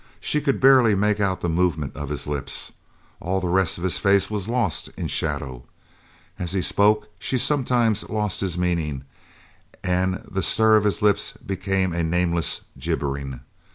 She could barely make out the movement of his lips. All the rest of his face was lost in shadow. As he spoke she sometimes lost his meaning and the stir of his lips became a nameless gibbering.